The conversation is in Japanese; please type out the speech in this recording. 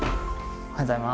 おはようございます。